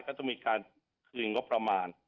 ก็จะมีการคืนงบประมาณ